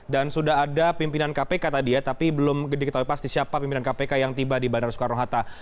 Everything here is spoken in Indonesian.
dan sudah ada pimpinan kpk tadi ya tapi belum diketahui pasti siapa pimpinan kpk yang tiba di bandara soekarno hatta